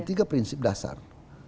tiga prinsip dasar